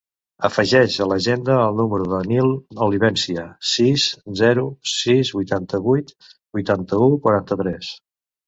Afegeix a l'agenda el número del Nil Olivencia: sis, zero, sis, vuitanta-vuit, vuitanta-u, quaranta-tres.